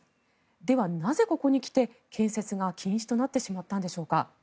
ではなぜ、ここに来て建設が禁止となってしまったのでしょうか。